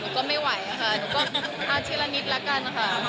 ก็ไม่ไหวค่ะหนูก็เอาทีละนิดละกันค่ะ